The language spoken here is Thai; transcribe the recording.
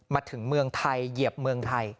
มาถึงเมืองไทยเหยียบเมืองไทย